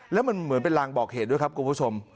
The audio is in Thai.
แล้วมันเหมือนเป็นรางบอกเหตุด้วยครับคุณผู้ชม